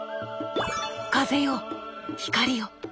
風よ光よ！